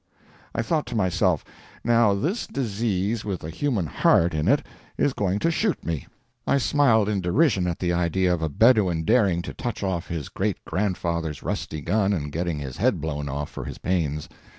I thought to myself, "Now this disease with a human heart in it is going to shoot me." I smiled in derision at the idea of a Bedouin daring to touch off his great grandfather's rusty gun and getting his head blown off for his pains.